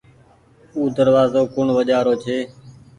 او دروآزو ڪوڻ وجهآ رو ڇي۔